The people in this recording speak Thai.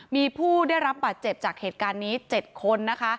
มีผู้ได้รับบาดเจ็บจากเหตุการณ์นี้๗คนนะคะ